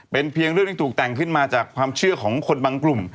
เป็นเพียงเรื่องที่ถูกแต่งขึ้นมาจากความเชื่อของคนบางกลุ่ม